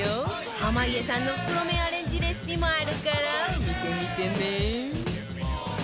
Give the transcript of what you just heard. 濱家さんの袋麺アレンジレシピもあるから見てみてね